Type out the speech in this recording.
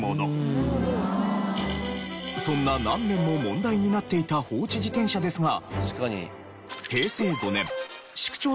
そんな何年も問題になっていた放置自転車ですが。